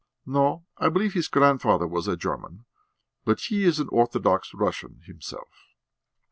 "No; I believe his grandfather was a German, but he is an Orthodox Russian himself."